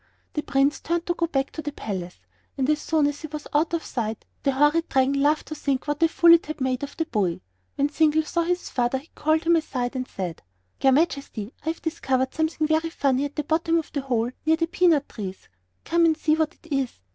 The Prince turned to go back to the palace, and as soon as he was out of sight, the horrid Dragon laughed to think what a fool it had made of the boy. When Zingle saw his father he called him aside and said: "Your Majesty, I have discovered something very funny at the bottom of the hole near the peanut trees. Come and see what it is."